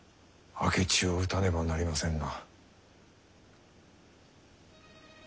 明智を討たねばなりませんな。